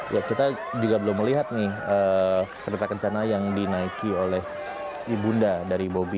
ya kita juga belum melihat nih kereta kencana yang dinaiki oleh ibunda dari bobi